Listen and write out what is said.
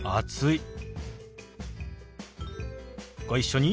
ご一緒に。